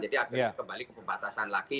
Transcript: jadi agar kembali ke pembatasan lagi